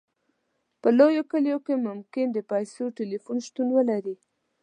په لویو کلیو کې ممکن د پیسو ټیلیفون شتون ولري